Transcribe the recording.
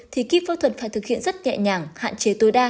thì khi phẫu thuật phải thực hiện rất nhẹ nhàng hạn chế tối đa